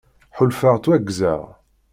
Ḥulfaɣ ttwaggzeɣ.